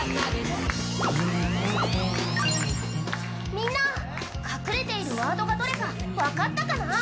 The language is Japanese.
みんな、隠れてるワードがどれか分かったかな。